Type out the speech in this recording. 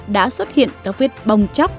đã xuất hiện các viết bông chóc